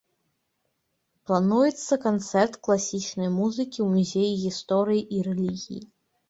Плануецца канцэрт класічнай музыкі ў музеі гісторыі і рэлігіі.